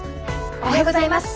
おはようございます。